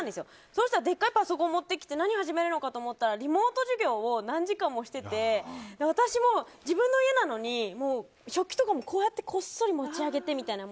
そしたらでかいパソコンもってきて何始めるのかと思ったらリモート授業を何時間もしてて私も自分の家なのに食器とかもこっそり持ち上げてみたいな。